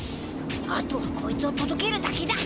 あとはこいつをとどけるだけだ。